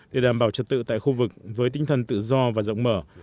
để đảm bảo trật tự tại khu vực với tinh thần tự do và rộng mở